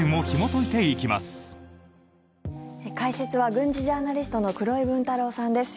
解説は軍事ジャーナリストの黒井文太郎さんです。